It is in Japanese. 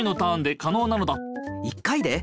１回で？